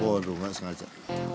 waduh enggak sengaja